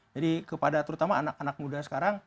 jadi kepada terutama anak anak muda sekarang